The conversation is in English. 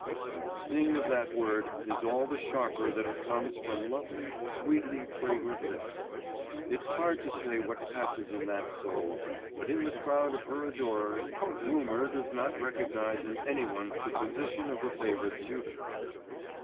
And the sting of that word is all the sharper that it comes from lovely, sweetly fragrant lips.... It's hard to say what passes in that soul; but in the crowd of her adorers rumour does not recognise in any one the position of a favoured suitor.